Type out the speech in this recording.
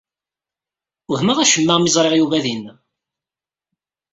Wehmeɣ acemma mi ẓriɣ Yuba dinna.